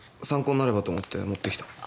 参考になればと思って持ってきた。